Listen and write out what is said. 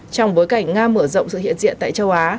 trong bối cảnh nga mở rộng sự hiện diện tại châu á